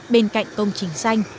bên cạnh công trình xanh